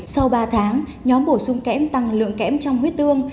sau ba tháng nhóm bổ sung kẽm tăng lượng kẽm trong huyết tương